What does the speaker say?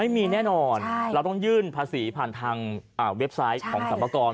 ไม่มีแน่นอนเราต้องยื่นภาษีผ่านทางเว็บไซต์ของสรรพากร